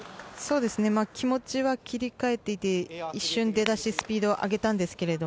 気持ちは切り替えていて一瞬出だしスピードを上げたんですけど